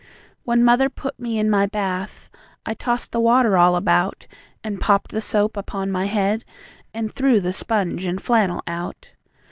When mother put me in my bath, I tossed the water all about, And popped the soap upon my head, And threw the sponge and flannel out.